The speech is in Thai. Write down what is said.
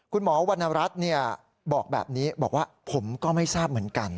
วรรณรัฐบอกแบบนี้บอกว่าผมก็ไม่ทราบเหมือนกัน